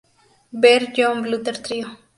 Ver John Butler Trio